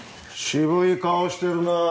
渋い顔してるなあ